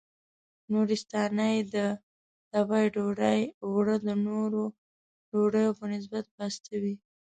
نورستانۍ د تبۍ ډوډۍ اوړه د نورو ډوډیو په نسبت پاسته وي.